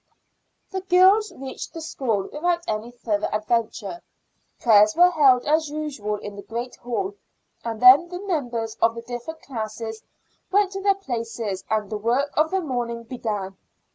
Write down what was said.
The girls reached the school without any further adventure. Prayers were held as usual in the great hall, and then the members of the different classes went to their places and the work of the morning began.